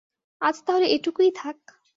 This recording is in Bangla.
আজ তাহলে এটুকুই থাক।